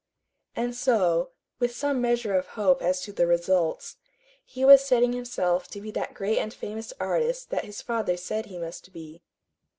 And so, with some measure of hope as to the results, he was setting himself to be that great and famous artist that his father said he must be.